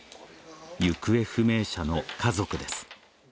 行方不明者の家族です。